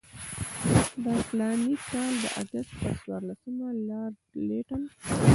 د فلاني کال د اګست پر څوارلسمه لارډ لیټن.